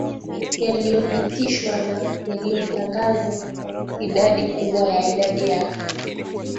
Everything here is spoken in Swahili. yaliyopitishwa na yaliyotangazwa Idadi kubwa ya idadi ya